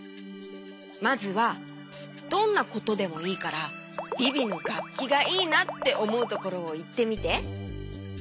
まずはどんなことでもいいからビビのがっきがいいなっておもうところをいってみて。